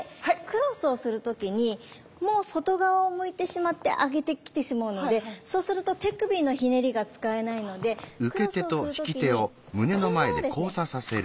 クロスをする時にもう外側を向いてしまって上げてきてしまうのでそうすると手首のひねりが使えないのでクロスをする時にこのままですねはい。